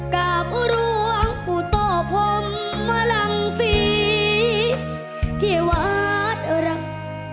กับร่วงอุตโตพรหมลังฟีเทวาทรัพย์